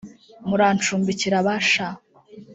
murancumbikira ba sha